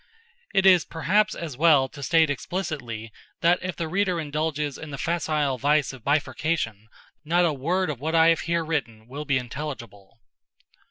It is perhaps as well to state explicitly that if the reader indulges in the facile vice of bifurcation not a word of what I have here written will be intelligible.